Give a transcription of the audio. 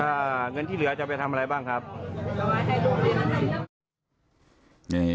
อ่าเงินที่เหลือจะไปทำอะไรบ้างครับเอาไว้ให้ลูกเรียน